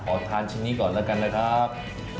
ผมทานชิ้นนี้ก่อนด้วยครับ